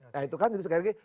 nah itu kan jadi sekarang ini